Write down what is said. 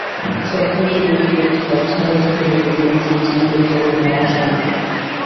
সরকার যদি এটি করতে ব্যর্থ হয়, তাহলে দুটো অনুসিদ্ধান্তই কেবল নেওয়া সম্ভব।